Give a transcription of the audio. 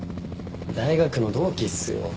大学の同期っすよ。